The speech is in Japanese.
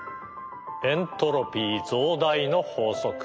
エントロピー増大の法則。